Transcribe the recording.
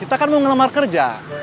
kita kan mau ngelemar kerja